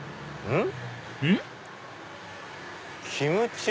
うん？